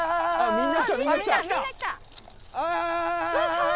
みんな。